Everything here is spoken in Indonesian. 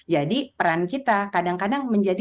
jadi peran kita kadang kadang menjadi